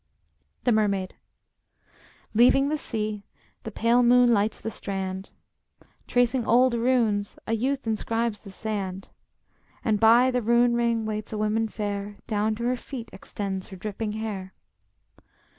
THE MERMAID Leaving the sea, the pale moon lights the strand. Tracing old runes, a youth inscribes the sand. And by the rune ring waits a woman fair, Down to her feet extends her dripping hair.